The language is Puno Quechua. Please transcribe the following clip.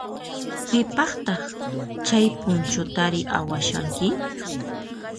Pipaqtaq chay punchutari awashanki?